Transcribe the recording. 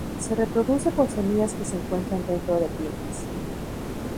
Se reproduce por semillas que se encuentran dentro de piñas.